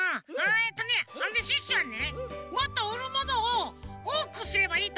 えっとねシュッシュはねもっとうるものをおおくすればいいとおもうんだよね。